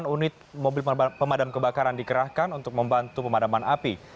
delapan unit mobil pemadam kebakaran dikerahkan untuk membantu pemadaman api